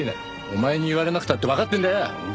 お前に言われなくたってわかってんだよ。